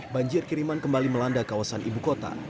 banjir kiriman kembali melanda kawasan ibu kota